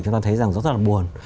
chúng ta thấy rất là buồn